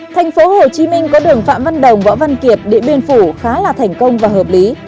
thành phố hồ chí minh có đường phạm văn đồng võ văn kiệt điện biên phủ khá là thành công và hợp lý